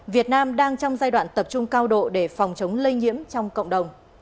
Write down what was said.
việt nam đang trong giai đoạn tập trung